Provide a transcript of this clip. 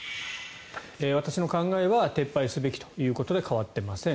私の考えは撤廃すべきということで変わっていません。